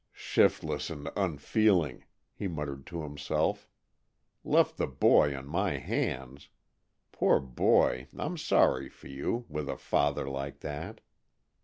"Shiftless and unfeeling!" he muttered to himself. "'Left the boy on my hands!' Poor boy, I'm sorry for you, with a father like that."